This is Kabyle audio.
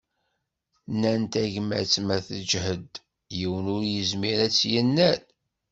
Nnan tagmat ma teǧhed, yiwen ur yezmir ad tt-yennal.